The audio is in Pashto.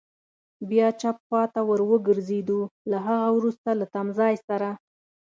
بیا چپ خوا ته ور وګرځېدو، له هغه وروسته له تمځای سره.